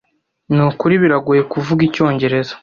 Nukuri biragoye kuvuga icyongereza?